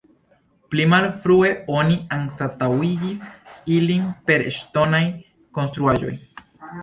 Pli malfrue oni anstataŭigis ilin per ŝtonaj konstruaĵoj.